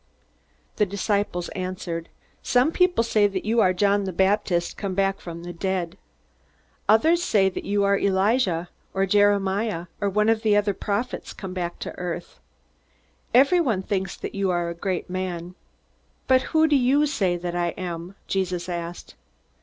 The disciples answered: "Some people say that you are John the Baptist, come back from the dead. Others say that you are Elijah, or Jeremiah, or one of the other prophets come back to earth. Everyone thinks that you are a great man." "But who do you say that I am?" Jesus asked.